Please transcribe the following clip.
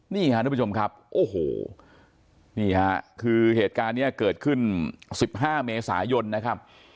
นี่ค่ะทุกผู้ชมครับโอ้โหนี่ฮะคือเหตุการณ์นี้เกิดขึ้น๑๕เมษายนนะครับ